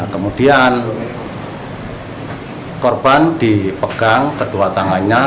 kemudian korban dipegang kedua tangannya